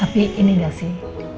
tapi ini nggak sih